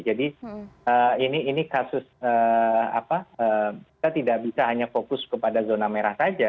jadi ini kasus kita tidak bisa hanya fokus kepada zona merah saja